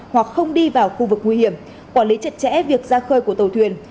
hoặc không đi vào khu vực nguy hiểm quản lý chặt chẽ việc ra khơi của tàu thuyền